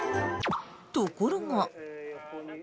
ところが。